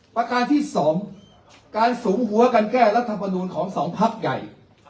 ประการที่๒การสูงหัวการแก้รัฐมนูลของสองพักใหญ่